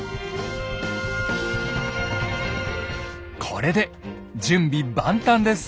これで準備万端です。